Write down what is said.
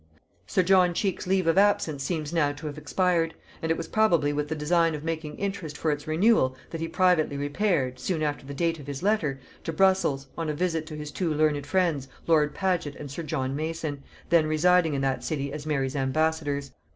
Sir John Cheke's leave of absence seems now to have expired; and it was probably with the design of making interest for its renewal that he privately repaired, soon after the date of his letter, to Brussels, on a visit to his two learned friends, lord Paget and sir John Mason, then residing in that city as Mary's ambassadors.